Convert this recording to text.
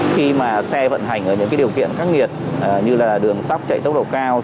khi xe vận hành ở điều kiện khắc nghiệt như đường sóc chạy tốc độ cao